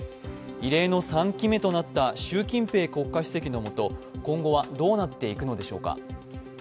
異例の３期目となった習近平国家主席のもと、今後はどうなっていくのでしょうか。